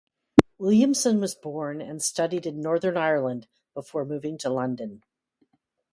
Williamson was born and studied in Northern Ireland before moving to London.